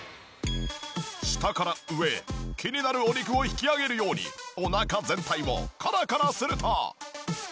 下から上へ気になるお肉を引き上げるようにお腹全体をコロコロすると。